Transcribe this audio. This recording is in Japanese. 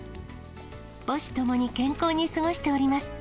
母子ともに健康に過ごしております。